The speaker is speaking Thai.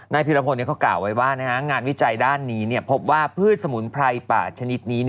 พิรพลเขากล่าวไว้ว่างานวิจัยด้านนี้พบว่าพืชสมุนไพรป่าชนิดนี้